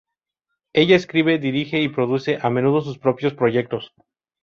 Ella escribe, dirige y produce a menudo sus propios proyectos.